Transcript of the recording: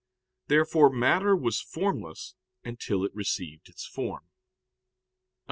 Therefore matter was formless until it received its form. Obj.